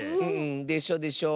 でしょでしょ。